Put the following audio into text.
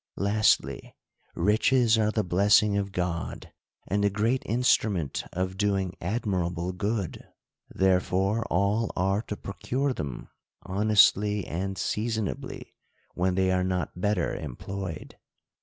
Lastly, riches are the blessing of God, and the great instrument of doing admirable good ; therefore all are to procure them, honestly and seasona bly, when they are not better employed.